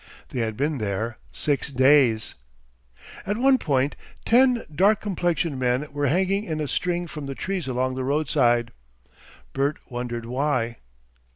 They had been there six days.... At one point ten dark complexioned men were hanging in a string from the trees along the roadside. Bert wondered why....